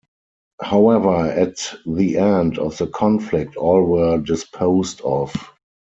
However at the end of the conflict all were disposed of.